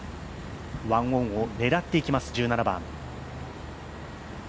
１オンを狙っていきます、１７番。